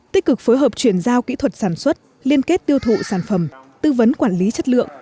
tích cực phối hợp chuyển giao kỹ thuật sản xuất liên kết tiêu thụ sản phẩm tư vấn quản lý chất lượng